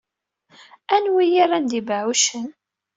Anwa ay iran ibeɛɛucen?